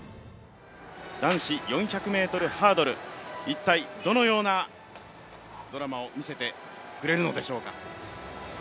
男子４００ｍハードル、一体どのようなドラマを見せてくれるのでしょうか。